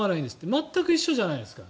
全く一緒じゃないですか。